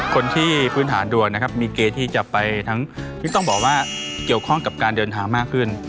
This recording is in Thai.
คนที่พื้นฐานดวงนะครับมีเกณฑ์ที่จะไปทั้งที่ต้องบอกว่าเกี่ยวข้องกับการเดินทางมากขึ้น